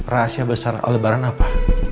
rahasia besar aldebaran apa